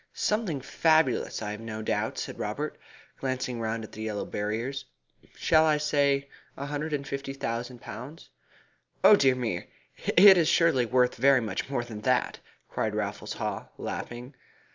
"Something fabulous, I have no doubt," said Robert, glancing round at the yellow barriers. "Shall I say a hundred and fifty thousand pounds?" "Oh dear me, it is surely worth very much more than that," cried Raffles Haw, laughing.